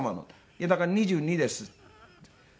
「いやだから２２です」。